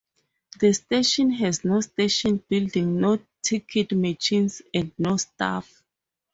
The station has no station building, no ticket machines and no staff.